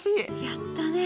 やったね。